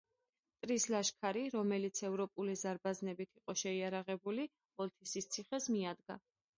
მტრის ლაშქარი, რომელიც ევროპული ზარბაზნებით იყო შეიარაღებული, ოლთისის ციხეს მიადგა.